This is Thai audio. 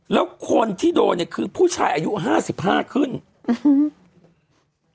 แล้วคนที่โดนเนี้ยคือผู้ชายอายุห้าสิบห้าขึ้นอืม